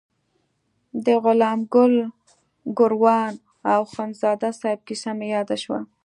د غلام ګل ګوروان او اخندزاده صاحب کیسه مې یاده شوه.